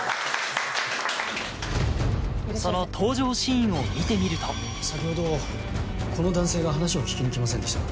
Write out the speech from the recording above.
その登場シーンを見てみると先ほどこの男性が話を聞きに来ませんでしたか？